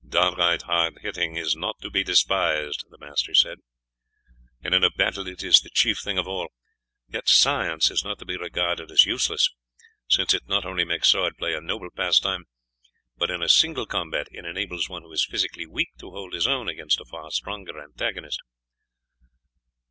"Downright hard hitting is not to be despised," the master said, "and in a battle it is the chief thing of all; yet science is not to be regarded as useless, since it not only makes sword play a noble pastime, but in a single combat it enables one who is physically weak to hold his own against a far stronger antagonist."